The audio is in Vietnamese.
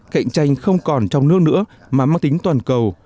cạnh tranh không còn trong nước nữa mà mang tính toàn cầu